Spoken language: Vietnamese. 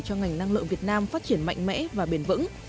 cho ngành năng lượng việt nam phát triển mạnh mẽ và bền vững